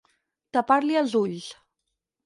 Tapar-li els ulls.